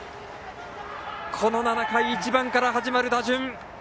この７回、１番から始まる打順。